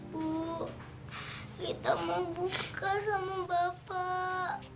bu kita mau buka sama bapak